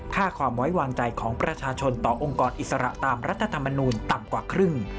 ค่าความไว้วางใจของประชาชนต่อองค์กรอิสระตามรัฐธรรมนูลต่ำกว่าครึ่ง